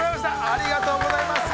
ありがとうございます。